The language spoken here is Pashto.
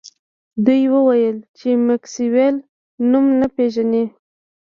دوی وویل چې میکسویل نوم نه پیژني